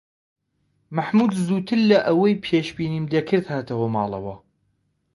مەحموود زووتر لە ئەوی پێشبینیم دەکرد هاتەوە ماڵەوە.